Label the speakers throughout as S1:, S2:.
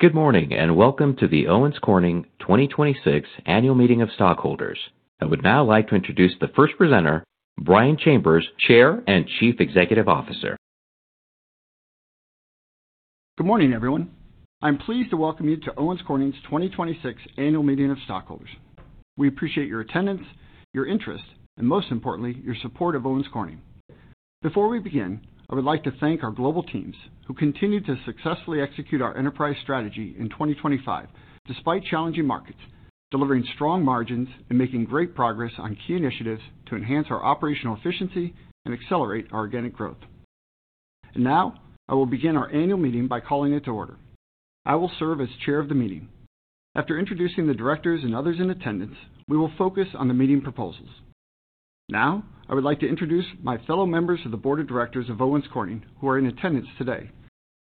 S1: Good morning, and welcome to the Owens Corning 2026 Annual Meeting of Stockholders. I would now like to introduce the first presenter, Brian Chambers, Chair and Chief Executive Officer.
S2: Good morning, everyone. I'm pleased to welcome you to Owens Corning's 2026 Annual Meeting of Stockholders. We appreciate your attendance, your interest, and most importantly, your support of Owens Corning. Before we begin, I would like to thank our global teams who continue to successfully execute our enterprise strategy in 2025, despite challenging markets, delivering strong margins and making great progress on key initiatives to enhance our operational efficiency and accelerate our organic growth. Now, I will begin our annual meeting by calling it to order. I will serve as Chair of the meeting. After introducing the directors and others in attendance, we will focus on the meeting proposals. Now, I would like to introduce my fellow members of the Board of Directors of Owens Corning, who are in attendance today.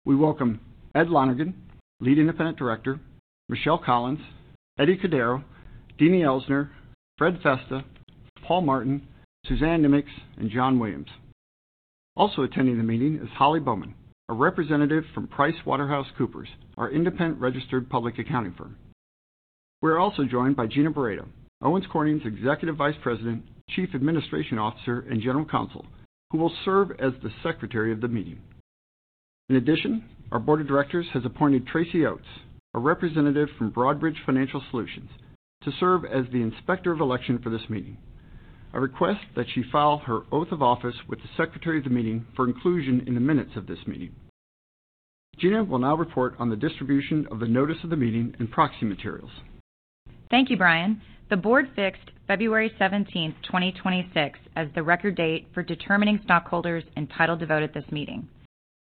S2: We welcome Edward F. Lonergan, Lead Independent Director, Michelle Collins, Eduardo Cordeiro, Adrienne D. Elsner, Alfred E. Festa, Paul E. Martin, Suzanne P. Nimocks, and John D. Williams. Also attending the meeting is Holly Bowman, a representative from PricewaterhouseCoopers, our independent registered public accounting firm. We're also joined by Gina Beredo, Owens Corning's Executive Vice President, Chief Administrative Officer, and General Counsel, who will serve as the Secretary of the meeting. In addition, our Board of Directors has appointed Tracy Oates, a representative from Broadridge Financial Solutions, to serve as the Inspector of Election for this meeting. I request that she file her oath of office with the Secretary of the meeting for inclusion in the minutes of this meeting. Gina will now report on the distribution of the notice of the meeting and proxy materials.
S3: Thank you, Brian. The Board fixed February 17th, 2026, as the record date for determining stockholders entitled to vote at this meeting.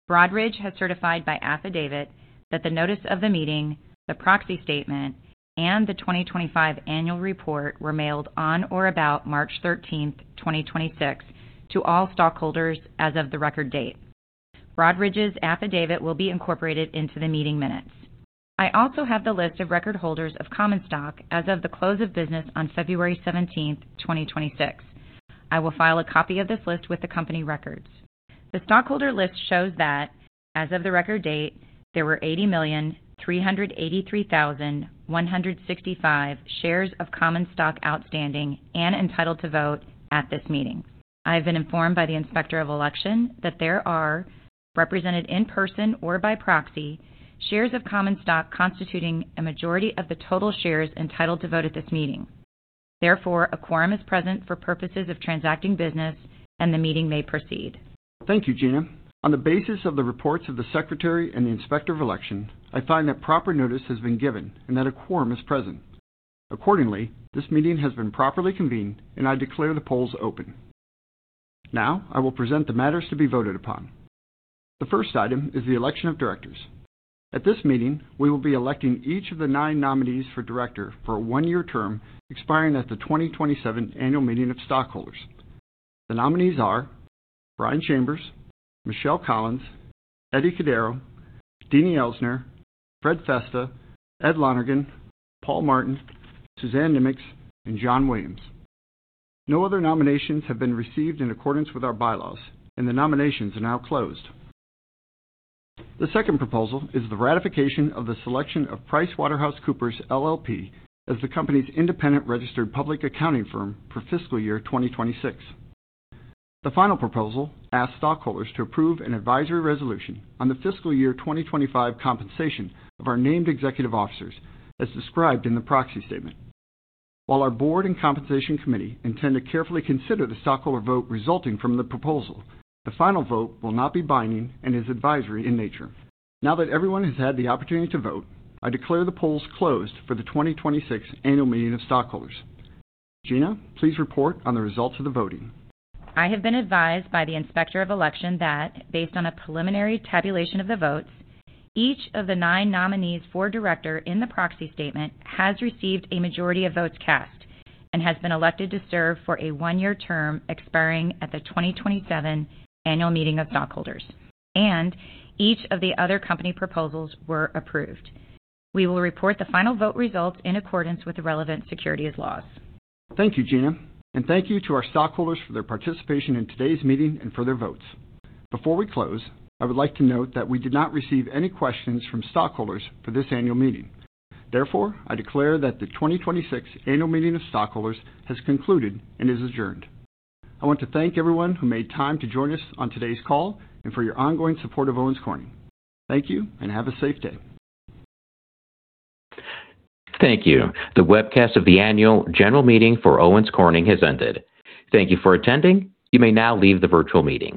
S3: Broadridge has certified by affidavit that the notice of the meeting, the proxy statement, and the 2025 Annual Report were mailed on or about March 13th, 2026, to all stockholders as of the record date. Broadridge's affidavit will be incorporated into the meeting minutes. I also have the list of record holders of common stock as of the close of business on February 17th, 2026. I will file a copy of this list with the company records. The stockholder list shows that as of the record date, there were 80,383,165 shares of common stock outstanding and entitled to vote at this meeting. I have been informed by the Inspector of Election that there are, represented in person or by proxy, shares of common stock constituting a majority of the total shares entitled to vote at this meeting. Therefore, a quorum is present for purposes of transacting business and the meeting may proceed.
S2: Thank you, Gina. On the basis of the reports of the Secretary and the Inspector of Election, I find that proper notice has been given and that a quorum is present. Accordingly, this meeting has been properly convened, and I declare the polls open. Now, I will present the matters to be voted upon. The first item is the election of Directors. At this meeting, we will be electing each of the nine nominees for Director for a one-year term expiring at the 2027 Annual Meeting of Stockholders. The nominees are Brian Chambers, Michelle Collins, Eduardo Cordeiro, Adrienne D. Elsner, Alfred E. Festa, Edward F. Lonergan, Paul E. Martin, Suzanne P. Nimocks, and John D. Williams. No other nominations have been received in accordance with our bylaws, and the nominations are now closed. The second proposal is the ratification of the selection of PricewaterhouseCoopers LLP as the company's independent registered public accounting firm for Fiscal Year 2026. The final proposal asks stockholders to approve an advisory resolution on the Fiscal Year 2025 compensation of our Named Executive Officers, as described in the Proxy Statement. While our Board and Compensation Committee intend to carefully consider the stockholder vote resulting from the proposal, the final vote will not be binding and is advisory in nature. Now that everyone has had the opportunity to vote, I declare the polls closed for the 2026 Annual Meeting of Stockholders. Gina, please report on the results of the voting.
S3: I have been advised by the Inspector of Election that based on a preliminary tabulation of the votes, each of the nine nominees for Director in the proxy statement has received a majority of votes cast and has been elected to serve for a one-year term expiring at the 2027 Annual Meeting of Stockholders, and each of the other Company proposals were approved. We will report the final vote results in accordance with the relevant securities laws.
S2: Thank you, Gina. Thank you to our stockholders for their participation in today's meeting and for their votes. Before we close, I would like to note that we did not receive any questions from stockholders for this annual meeting. Therefore, I declare that the 2026 Annual Meeting of Stockholders has concluded and is adjourned. I want to thank everyone who made time to join us on today's call and for your ongoing support of Owens Corning. Thank you, and have a safe day.
S1: Thank you. The webcast of the annual general meeting for Owens Corning has ended. Thank you for attending. You may now leave the virtual meeting.